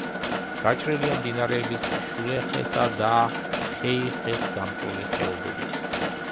გაჭრილია მდინარეების შულეხესა და ხეიხეს გამჭოლი ხეობებით.